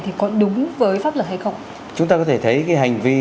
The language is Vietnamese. thì có đúng với pháp luật hay không chúng ta có thể thấy cái hành vi